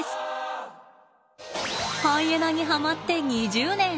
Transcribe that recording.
ハイエナにハマって２０年。